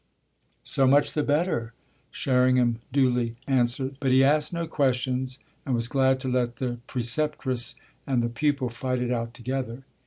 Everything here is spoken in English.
"So much the better," Sherringham duly answered; but he asked no questions and was glad to let the preceptress and the pupil fight it out together.